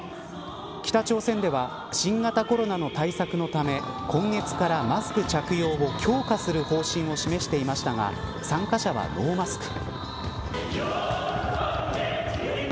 北朝鮮では新型コロナの対策のため今月からマスク着用を強化する方針を示していましたが参加者はノーマスク。